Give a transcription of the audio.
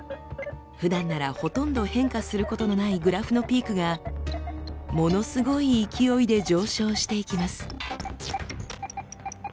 ふだんならほとんど変化することのないグラフのピークがものすごい勢いで上昇していきます。